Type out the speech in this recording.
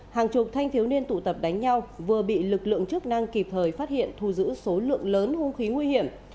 hàng chục thanh thiếu niên tụ tập đánh nhau vừa bị lực lượng chức năng kịp thời phát hiện thu giữ số lượng lớn hung khí nguy hiểm